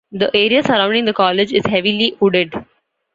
The area surrounding the college is heavily wooded.